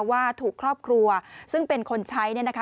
ว่าถูกครอบครัวซึ่งเป็นคนใช้